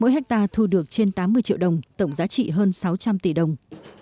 mỗi hectare thu được trên tám mươi triệu đồng tổng giá trị hơn sáu trăm linh tỷ đồng